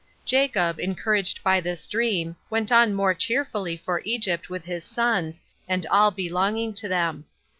4. Jacob, encouraged by this dream, went on more cheerfully for Egypt with his sons, and all belonging to them.